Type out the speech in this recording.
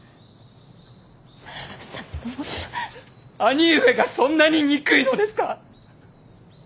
兄上がそんなに憎いのですか。